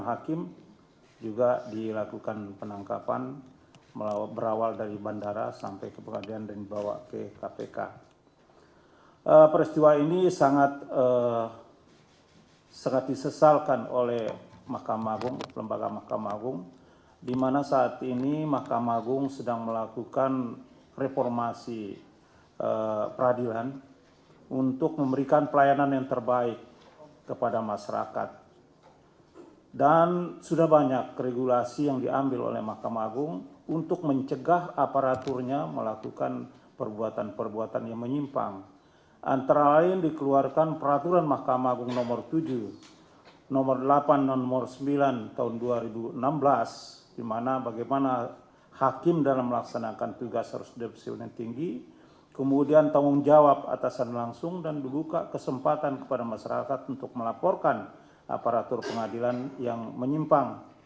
hakim dalam melaksanakan tugas harus depresi yang tinggi kemudian tanggung jawab atasan langsung dan dibuka kesempatan kepada masyarakat untuk melaporkan aparatur pengadilan yang menyimpang